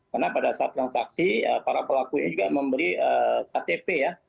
karena pada saat transaksi para pelakunya juga memberi ktp ya